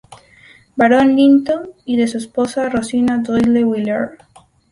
Barón Lytton, y de su esposa Rosina Doyle Wheeler.